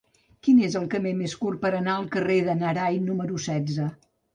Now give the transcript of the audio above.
Quin és el camí més curt per anar al carrer de n'Arai número setze?